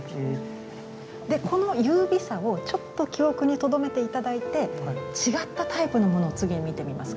でこの優美さをちょっと記憶にとどめて頂いて違ったタイプのものを次に見てみます。